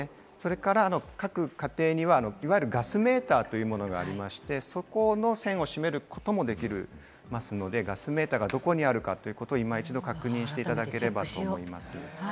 それから各家庭にはガスメーターというものがありまして、そこの栓を閉めることもできますので、ガスメーターがどこにあるか今一度確認していただければと思います。